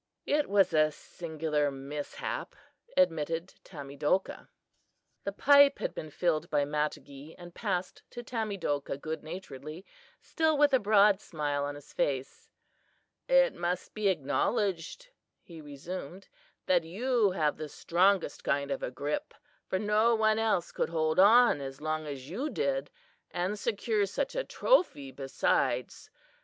"It was a singular mishap," admitted Tamedokah. The pipe had been filled by Matogee and passed to Tamedokah good naturedly, still with a broad smile on his face. "It must be acknowledged," he resumed, "that you have the strongest kind of a grip, for no one else could hold on as long as you did, and secure such a trophy besides.